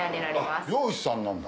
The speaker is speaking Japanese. あっ漁師さんなんだ。